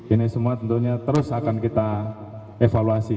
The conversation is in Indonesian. ini semua tentunya terus akan kita evaluasi